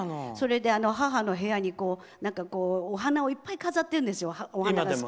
それで、母の部屋にお花をいっぱい飾ってるんですよ。